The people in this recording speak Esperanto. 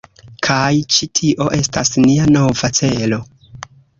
Kaj ĉi tio estas nia nova celo